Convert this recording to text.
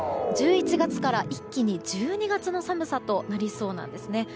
１１月から一気に１２月の寒さとなりそうなんですね。